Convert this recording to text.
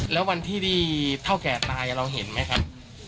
แล้ววันที่ที่เท่าแก่ตายเราเห็นไหมครับ